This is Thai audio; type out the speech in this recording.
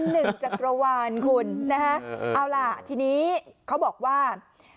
หนึ่งจักรวาลคุณนะฮะเอาล่ะทีนี้เขาบอกว่า